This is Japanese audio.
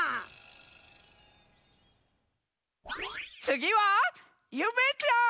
つぎはゆめちゃん！